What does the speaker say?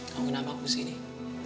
mungkin apa aku sih nih